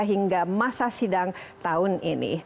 hingga masa sidang tahun ini